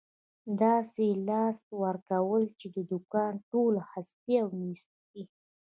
داسې له لاسه ورکوې، چې د دوکان ټول هست او نیست.